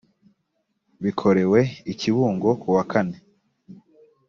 bikorewe i kibungo ku wa kane